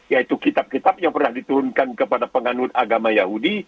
yaitu kitab kitab yang pernah diturunkan kepada penganut agama yahudi